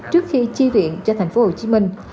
trước khi chi viện cho thành phố hồ chí minh